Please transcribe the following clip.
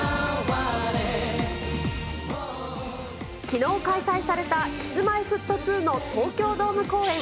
きのう開催されたＫｉｓ−Ｍｙ−Ｆｔ２の東京ドーム公演。